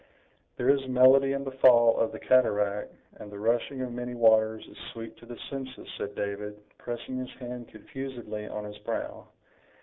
"There is melody in the fall of the cataract, and the rushing of many waters is sweet to the senses!" said David, pressing his hand confusedly on his brow.